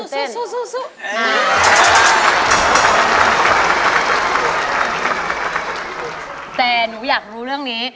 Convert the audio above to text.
แต่หนูอยากรู้เรื่องนี้